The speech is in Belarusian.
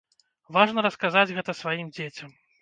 Важна расказаць гэта сваім дзецям.